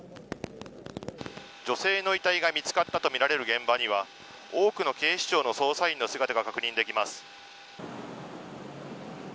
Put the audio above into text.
女性の遺体が見つかったとみられる現場には多くの警視庁の捜査員の姿が確認できます。